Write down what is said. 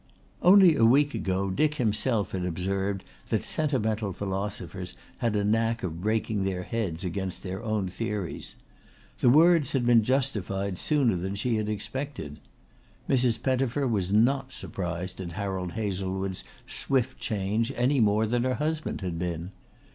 Only a week ago Dick himself had observed that sentimental philosophers had a knack of breaking their heads against their own theories. The words had been justified sooner than she had expected. Mrs. Pettifer was not surprised at Harold Hazlewood's swift change any more than her husband had been.